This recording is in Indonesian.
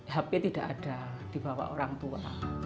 hp tidak ada di bawah orang tua